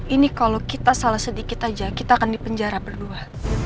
ini kalau kita salah sedikit aja kita akan dipenjara berdua